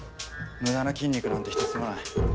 無駄な筋肉なんてひとつもない。